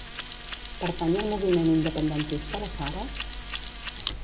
Pertany al moviment independentista la Sara?